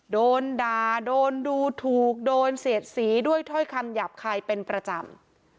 โดนด่าโดนดูถูกโดนเสียดสีด้วยถ้อยคำหยาบคายเป็นประจำ